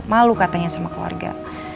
malu katanya sama keluarga